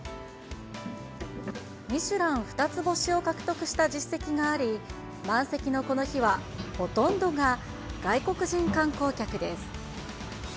ミシュラン２つ星を獲得した実績があり、満席のこの日は、ほとんどが外国人観光客です。